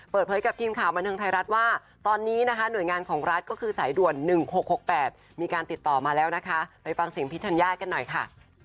เปิดเผยกับทีมข่าวบันเทิงไทยรัฐว่าตอนนี้นะคะหน่วยงานของรัฐก็คือสายด่วน๑๖๖๘มีการติดต่อมาแล้วนะคะไปฟังเสียงพี่ธัญญากันหน่อยค่ะ